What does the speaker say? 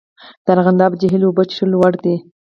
د ارغنداب جهیل اوبه څښلو وړ دي؟